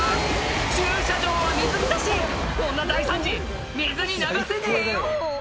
駐車場は水浸しこんな大惨事水に流せねえよ